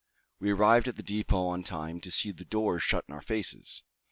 We arrived at the depot in time to see the doors shut in our faces.